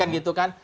kan gitu kan